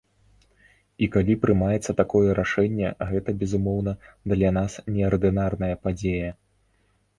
І калі прымаецца такое рашэнне, гэта, безумоўна, для нас неардынарная падзея.